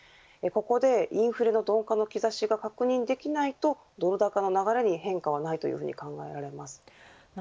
ここでインフレの鈍化の兆しが確認できないとドル高の流れに変化はないというふうに考えられます。